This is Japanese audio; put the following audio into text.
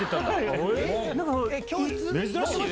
教室？